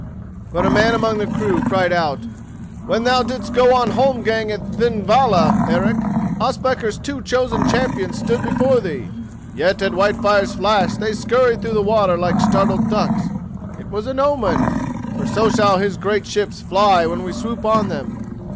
But a man among the crew cried out, "When thou didst go on holmgang at Thingvalla, Eric, Ospakar's two chosen champions stood before thee, yet at Whitefire's flash they skurried through the water like startled ducks. It was an omen, for so shall his great ships fly when we swoop on them."